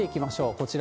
こちら。